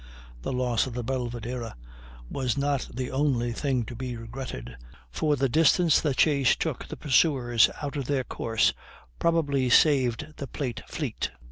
The loss of the Belvidera was not the only thing to be regretted, for the distance the chase took the pursuers out of their course probably saved the plate fleet.